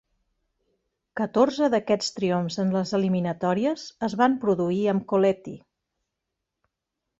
Catorze d'aquests triomfs en les eliminatòries es van produir amb Colletti.